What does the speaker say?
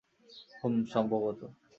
হুম, সম্ভবত।